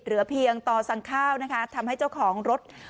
เหลือเพียงต่อสั่งข้าวนะคะทำให้เจ้าของรถ